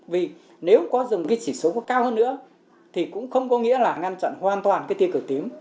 vì nếu có dùng cái chỉ số nó cao hơn nữa thì cũng không có nghĩa là ngăn chặn hoàn toàn cái tiêu cực tím